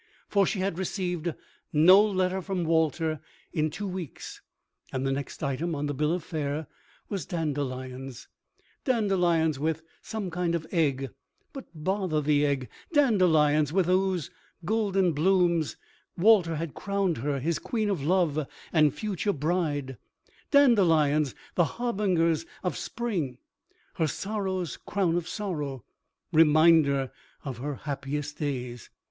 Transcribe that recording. For she had received no letter from Walter in two weeks, and the next item on the bill of fare was dandelions—dandelions with some kind of egg—but bother the egg!—dandelions, with whose golden blooms Walter had crowned her his queen of love and future bride—dandelions, the harbingers of spring, her sorrow's crown of sorrow—reminder of her happiest days.